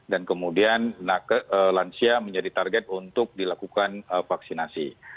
dan kemudian lansia menjadi target untuk dilakukan vaksinasi